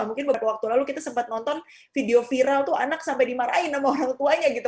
mungkin beberapa waktu lalu kita sempat nonton video viral tuh anak sampai dimarahin sama orang tuanya gitu